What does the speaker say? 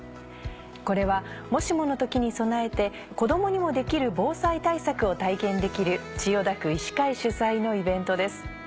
これはもしもの時に備えて子供にもできる防災対策を体験できる千代田区医師会主催のイベントです。